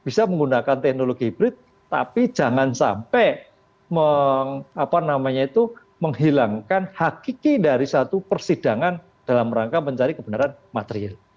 bisa menggunakan teknologi hybrid tapi jangan sampai menghilangkan hakiki dari satu persidangan dalam rangka mencari kebenaran material